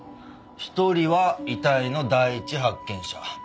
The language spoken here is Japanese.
一人は遺体の第一発見者。